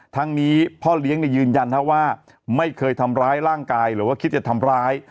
ทั้งนี้พ่อเลี้ยงยืนยันว่าไม่เคยทำร้ายร่างกายหรือว่าคิดจะทำร้าย